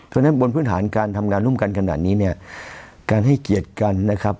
เพราะฉะนั้นบนพื้นฐานการทำงานร่วมกันขนาดนี้เนี่ยการให้เกียรติกันนะครับ